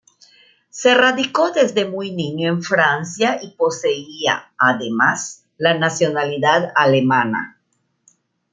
Se radicó desde muy niño en Francia y poseía, además, la nacionalidad alemana.